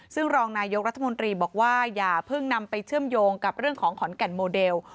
ซึ่งรองนายกรัฐมนตรีบอกว่าอย่าเพิ่งนำไปเชื่อมโยงกับเรื่องของขอนแก่นโมเดล